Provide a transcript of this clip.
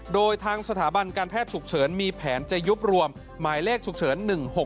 โดยทางสถาบันการแพทย์ฉุกเฉินมีแผนจะยุบรวมหมายเลขฉุกเฉิน๑๖๖